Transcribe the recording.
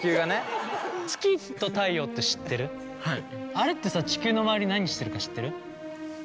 あれってさ地球の周り何してるか知ってる？